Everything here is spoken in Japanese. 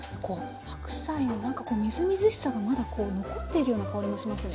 白菜のなんかこうみずみずしさがまだこう残っているような香りもしますね。